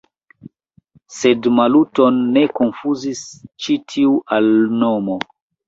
Sed Maluton ne konfuzis ĉi tiu alnomo.